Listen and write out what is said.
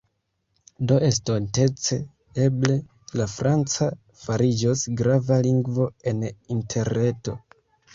Do estontece, eble, la franca fariĝos grava lingvo en Interreto.